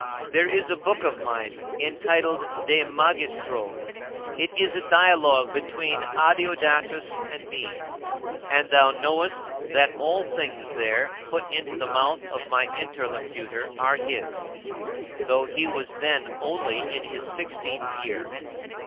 There is a book of mine, entitled De Magistro. It is a dialogue between Adeodatus and me, and thou knowest that all things there put into the mouth of my interlocutor are his, though he was then only in his sixteenth year.